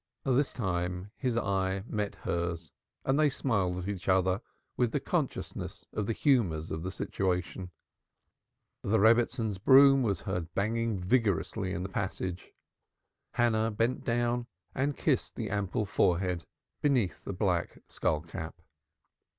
This time his eye met hers, and they smiled at each other with the consciousness of the humors of the situation. The Rebbitzin's broom was heard banging viciously in the passage. Hannah bent down and kissed the ample forehead beneath the black skull cap.